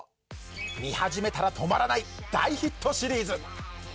見始めたら止まらない大ヒットシリーズ。